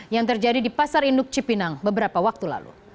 yang terjadi di pasar induk cipinang beberapa waktu lalu